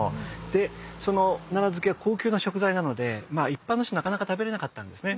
でその奈良漬けは高級な食材なので一般の人はなかなか食べれなかったんですね。